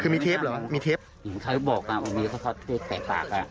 คือมีเทพอย่างสาธารณ์บอกว่าพี่ก็แทบปาก